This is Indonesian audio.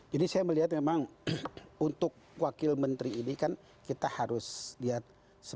jadi saya melihat memang untuk wakil menteri ini kan kita harus lihat seberapa besar sih kapasitasnya